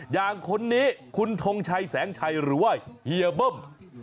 อย่างคนนี้คุณทงชัยแสงชัยหรือว่าเฮียเบิ้ม